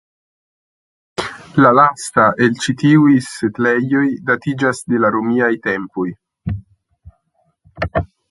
La lasta el ĉi tiuj setlejoj datiĝas de la romiaj tempoj.